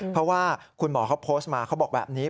เพราะว่าคุณหมอเขาโพสต์มาเขาบอกแบบนี้